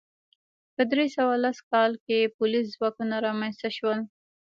په درې سوه لس کال کې پولیس ځواکونه رامنځته شول